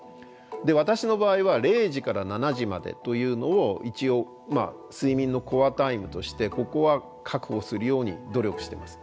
私の場合は０時から７時までというのを一応睡眠のコアタイムとしてここは確保するように努力してます。